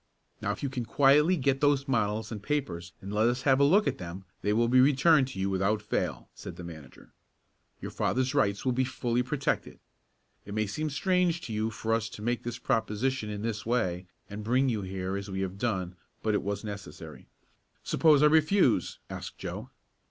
"Now if you can quietly get those models and papers and let us have a look at them they will be returned to you without fail," said the manager. "Your father's rights will be fully protected. It may seem strange to you for us to make this proposition in this way, and bring you here as we have done, but it was necessary." "Suppose I refuse?" asked Joe.